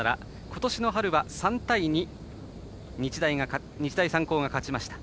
今年の春は３対２で日大三高が勝ちました。